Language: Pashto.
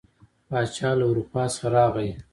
پاچا له اروپا څخه ته راغی.